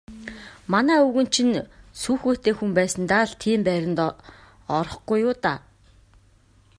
Манай өвгөн чинь сүүхээтэй хүн байсандаа л тийм байранд орохгүй юу даа.